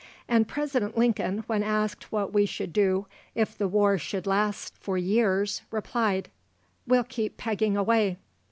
And President Lincoln, when asked what we should do if the war should last for years, replied, "We'll keep pegging away."